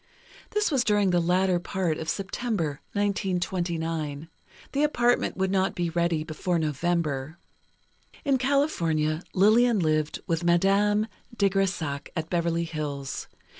This was during the latter part of September, 1929. The apartment would not be ready before November." In California, Lillian lived with Madame de Grésac, at Beverly Hills.